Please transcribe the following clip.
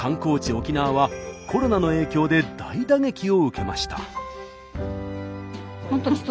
沖縄はコロナの影響で大打撃を受けました。